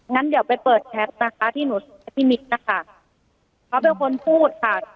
งั้นเดี๋ยวไปเปิดแชทนะคะที่หนูพี่มิตรนะคะเขาเป็นคนพูดค่ะ